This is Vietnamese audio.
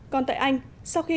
còn tại anh